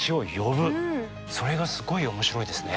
それがすごい面白いですね。